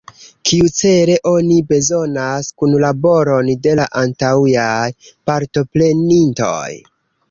Kiucele oni bezonas kunlaboron de la antaŭaj partoprenintoj?